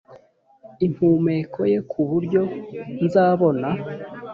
impumeko ye kuburyo nzabona